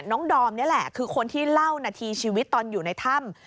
ดอมนี่แหละคือคนที่เล่านาทีชีวิตตอนอยู่ในถ้ำ